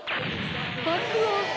爆音！